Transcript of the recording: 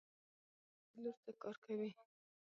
دا د کرزي لور څه کار کوي.